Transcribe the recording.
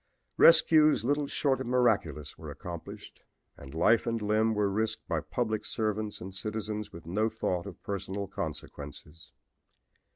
"Rescues little short of miraculous were accomplished and life and limb were risked by public servants and citizens with no thought of personal consequences.